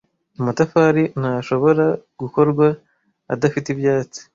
Amatafari ntashobora gukorwa adafite ibyatsi.